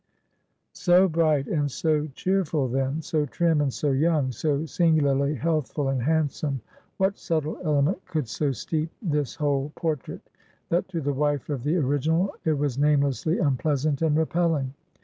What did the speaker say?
So bright, and so cheerful then; so trim, and so young; so singularly healthful, and handsome; what subtile element could so steep this whole portrait, that, to the wife of the original, it was namelessly unpleasant and repelling?